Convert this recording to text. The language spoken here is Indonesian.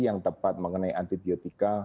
yang tepat mengenai antibiotika